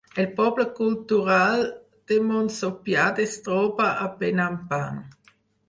El poble cultural de Monsopiad es troba a Penampang.